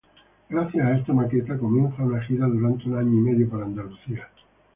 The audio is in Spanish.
Gracias a esta maqueta comienzan una gira durante un año y medio por Andalucía.